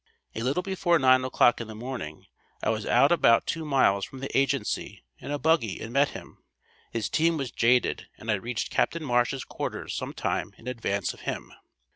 A little before nine o'clock in the morning, I was out about two miles from the agency in a buggy and met him. His team was jaded and I reached Capt. Marsh's quarters sometime in advance of him.